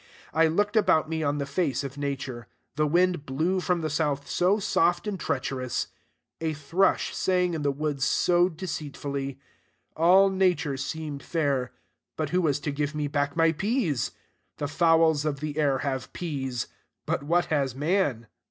I looked about me on the face of Nature. The wind blew from the south so soft and treacherous! A thrush sang in the woods so deceitfully! All Nature seemed fair. But who was to give me back my peas? The fowls of the air have peas; but what has man?